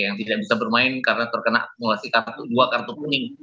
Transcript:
yang tidak bisa bermain karena terkena akumulasi kartu dua kartu kuning